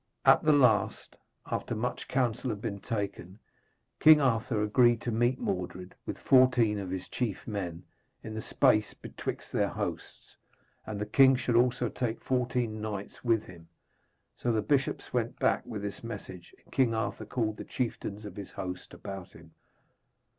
At the last, after much counsel had been taken, King Arthur agreed to meet Mordred, with fourteen of his chief men, in the space betwixt their hosts, and the king should also take fourteen knights with him. So the bishops went back with this message, and King Arthur called the chieftains of his host about him.